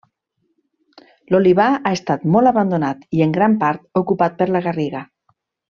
L'olivar ha estat molt abandonat i en gran part ocupat per la garriga.